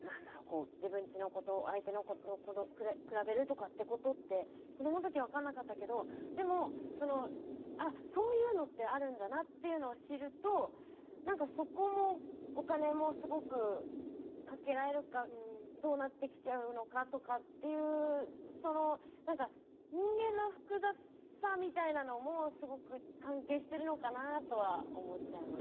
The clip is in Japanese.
自分ちの子と相手の子と比べるとかってことって子どものときは分かんなかったけどでもああそういうのってあるんだなっていうのを知ると何かそこもお金もすごくかけられるかどうなってきちゃうのかとかっていう何か人間の複雑さみたいなのもすごく関係してるのかなとは思っちゃいます。